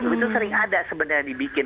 itu sering ada sebenarnya dibikin